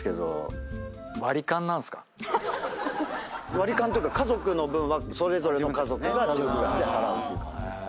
割り勘というか家族の分はそれぞれの家族が自分たちで払うっていう感じですね。